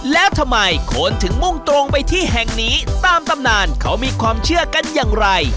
แล้วทำไมคนถึงมุ่งตรงไปที่แห่งนี้ตามตำนานเขามีความเชื่อกันอย่างไร